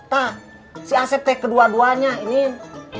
tak si asep teh kedua duanya min